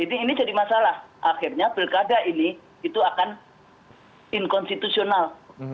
ini jadi masalah akhirnya pilkada ini itu akan inkonstitusional